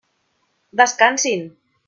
Descansin!